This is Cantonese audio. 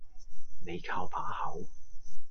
你靠把口